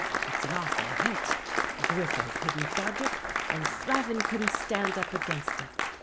It's an awful hit. Griffo couldn't dodge it, and Slavin couldn't stand up against it.